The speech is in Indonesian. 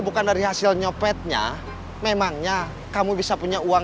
gimana sebenarnya aku nggak coba ya kan